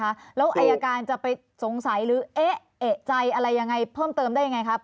แล้วอายการจะไปสงสัยหรือเอ๊ะเอกใจอะไรยังไงเพิ่มเติมได้ยังไงครับ